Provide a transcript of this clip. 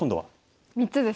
３つです。